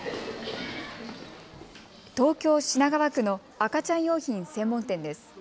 東京品川区の赤ちゃん用品専門店です。